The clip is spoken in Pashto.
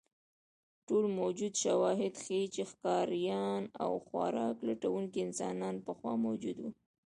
ټول موجود شواهد ښیي، چې ښکاریان او خوراک لټونکي انسانان پخوا موجود وو.